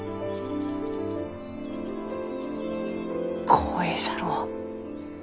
光栄じゃろう？